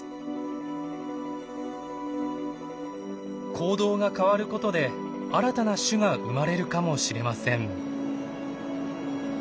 行動が変わることで新たな種が生まれるかもしれません。